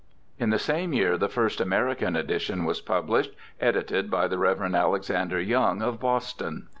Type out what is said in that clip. In the same year the first American edition was published, edited by the Rev. Alexander Young, of Boston.